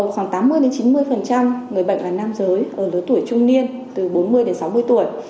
khoảng tám mươi chín mươi người bệnh là nam giới ở lứa tuổi trung niên từ bốn mươi đến sáu mươi tuổi